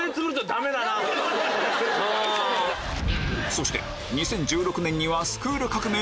そして２０１６年には『スクール革命！』